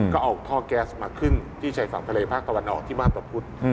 ก็เอาท่อแก๊สมาขึ้นที่ชายฝั่งทะเลภาคตะวันออกที่มาพตะพุธ